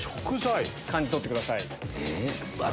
感じ取ってください。